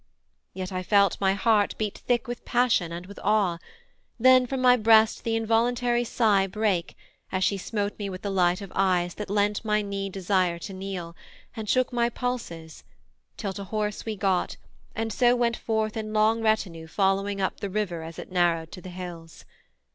Yet I felt My heart beat thick with passion and with awe; Then from my breast the involuntary sigh Brake, as she smote me with the light of eyes That lent my knee desire to kneel, and shook My pulses, till to horse we got, and so Went forth in long retinue following up The river as it narrowed to the hills.